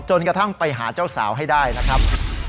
กระทั่งไปหาเจ้าสาวให้ได้นะครับ